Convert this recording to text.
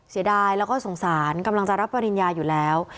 เสียดายแล้วก็สงสารกำลังจะรับปริญญาอยู่แล้ว